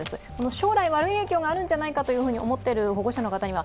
将来悪い影響があるんじゃないかと思っている保護者の方へは